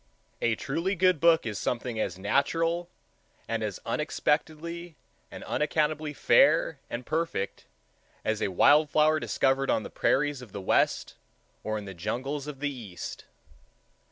A truly good book is something as natural, and as unexpectedly and unaccountably fair and perfect, as a wild flower discovered on the prairies of the west or in the jungles of the east.